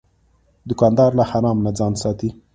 دوکاندار له حرام نه ځان ساتي.